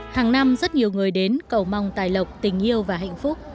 hàng năm rất nhiều người đến cầu mong tài lộc tình yêu và hạnh phúc